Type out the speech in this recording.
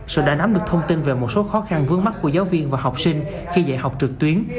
sở đã nắm được thông tin về một số khó khăn vướng mắt của giáo viên và học sinh khi dạy học trực tuyến